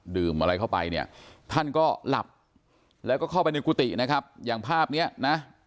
อะไรเข้าไปเนี่ยท่านก็หลับแล้วก็เข้าไปในกุฏินะครับอย่างภาพเนี้ยนะ